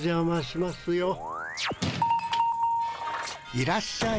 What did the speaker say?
・いらっしゃい。